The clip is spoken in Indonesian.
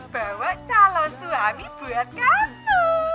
bawa calon suami buat kamu